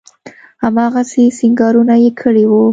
هماغسې سينګارونه يې کړي وو.